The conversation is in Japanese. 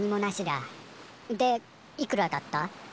でいくらだった？